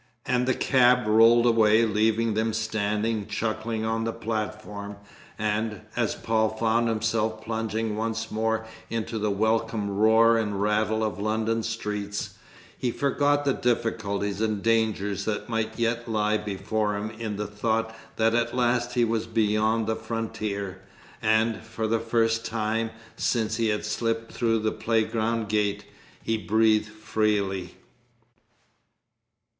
And the cab rolled away, leaving them standing chuckling on the platform, and, as Paul found himself plunging once more into the welcome roar and rattle of London streets, he forgot the difficulties and dangers that might yet lie before him in the thought that at last he was beyond the frontier, and, for the first time since he had slipped through the playground gate, he breathed freely.